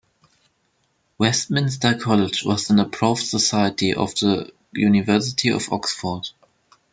Westminster College was an "Approved Society" of the University of Oxford.